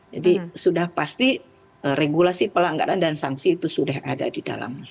jadi sudah pasti regulasi pelanggaran dan sanksi itu sudah ada di dalam